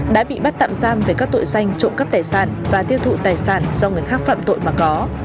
đã bị bắt tạm giam về các tội danh trộm cắp tài sản và tiêu thụ tài sản do người khác phạm tội mà có